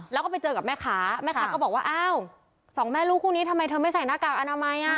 แล้วก็ไปเจอกับแม่ค้าแม่ค้าก็บอกว่าอ้าวสองแม่ลูกคู่นี้ทำไมเธอไม่ใส่หน้ากากอนามัยอ่ะ